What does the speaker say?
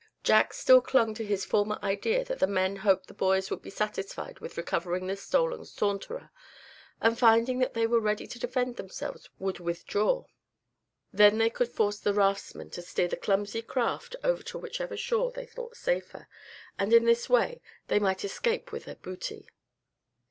Jack still clung to his former idea that the men hoped the boys would be satisfied with recovering the stolen Saunterer; and finding that they were ready to defend themselves would withdraw. Then they could force the raftsmen to steer the clumsy craft over to whichever shore they thought safer, and in this way they might escape with their booty.